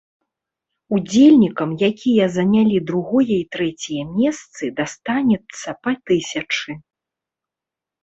Удзельнікам, якія занялі другое і трэцяе месцы, дастанецца па тысячы.